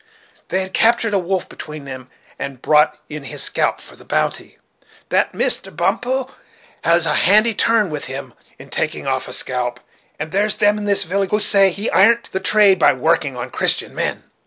They had captured a wolf between them, and had brought in his scalp for the bounty. That Mister Bump ho has a handy turn with him in taking off a scalp; and there's them, in this here village, who say he l'arnt the trade by working on Christian men.